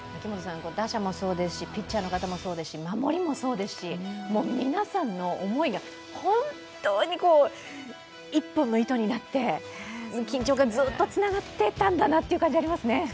打者もそうですしピッチャーもそうですし、守りもそうですし皆さんの思いが本当に１本の糸になって緊張感ずっとつながっていたんだなってなりますね